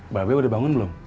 mbak wiwi udah bangun belum